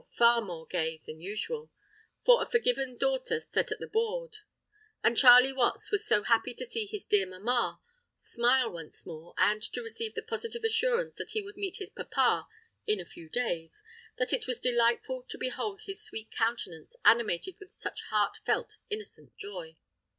far more gay than usual; for a forgiven daughter sate at the board—and Charley Watts was so happy to see his "dear mamma" smile once more, and to receive the positive assurance that he would meet his "papa" in a few days, that it was delightful to behold his sweet countenance animated with such heart felt, innocent joy.